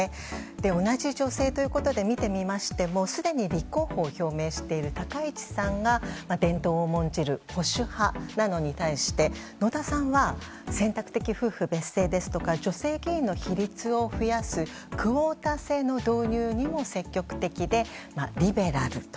同じ女性ということで見てみましてもすでに立候補を表明している高市さんが伝統を重んじる保守派なのに対して野田さんは選択的夫婦別姓ですとか女性議員の比率を増やすクオータ制の導入にも積極的でリベラルと。